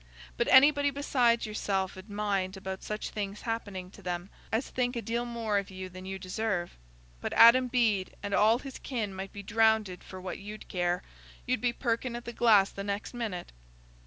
But anybody besides yourself 'ud mind about such things happening to them as think a deal more of you than you deserve. But Adam Bede and all his kin might be drownded for what you'd care—you'd be perking at the glass the next minute."